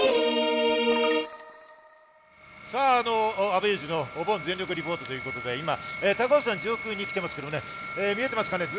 阿部祐二のお盆全力リポートということで、高尾山上空に来ていますけどね、見えてますかね。